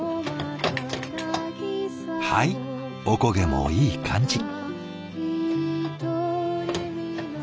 はいお焦げもいい感じ。